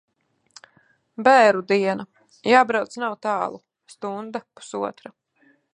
Bēru diena. Jābrauc nav tālu. Stunda, pusotra.